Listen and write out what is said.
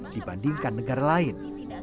dibandingkan negara lain